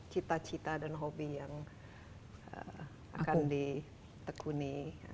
cita cita dan hobi yang akan ditekuni